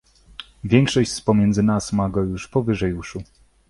"Większość z pomiędzy nas ma go już powyżej uszu."